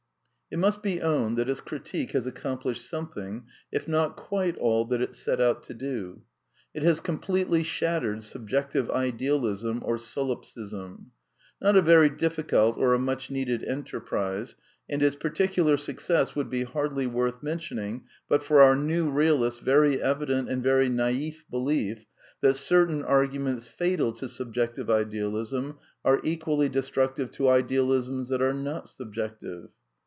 It must be owned that its critique has accomplished something, if not quite all that it set out to do. It has! ^ completely shattered Subjective Idealism or Solipsism. \..^ Not a very diflScult or a much needed enterprise; and its j^ particular success would be hardly worth mentioning but for our new realists' very evident and very naif belief that ^ certain arguments fatal to Subjective Idealism are equally \\/^ destructive to idealisms that are not subjective.